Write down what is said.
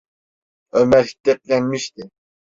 Ömer hiddetlenmişti: